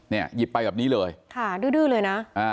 หยิบไปแบบนี้เลยค่ะดื้อเลยนะ